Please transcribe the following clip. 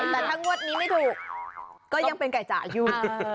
แต่ถ้างวดนี้ไม่ถูกก็ยังเป็นไก่จ๋าอยู่